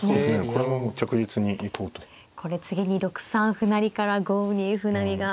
これ次に６三歩成から５二歩成が。